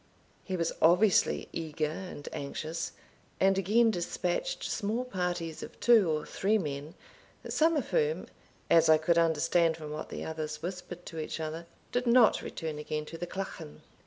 He was obviously eager and anxious, and again despatched small parties of two or three men, some of whom, as I could understand from what the others whispered to each other, did not return again to the Clachan.